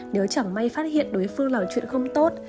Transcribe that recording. nếu chẳng may phát hiện đối phương làm chuyện không tốt